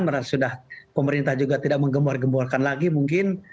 merasa sudah pemerintah juga tidak menggembur gemburkan lagi mungkin